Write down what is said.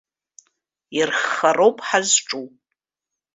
Ирххароуп ҳазҿу.